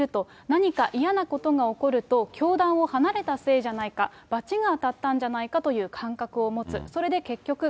何か嫌なことが起こると、教団を離れたせいじゃないか、罰が当たったんじゃないかという感覚を持つ。